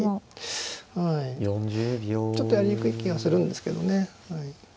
ちょっとやりにくい気がするんですけどね。